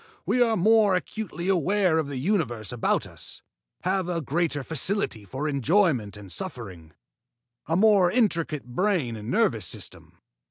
We are more acutely aware of the universe about us, have a greater facility for enjoyment and suffering, a more intricate brain and nervous system.